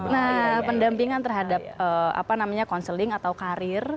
nah pendampingan terhadap apa namanya counseling atau karir